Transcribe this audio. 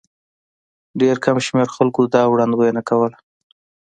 ډېر کم شمېر خلکو دا وړاندوینه کوله.